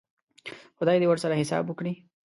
خدای دې ورسره حساب وکړي.